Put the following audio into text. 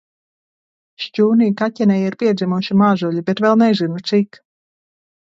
Šķūnī kaķenei ir piedzimuši mazuļi, bet vēl nezinu, cik.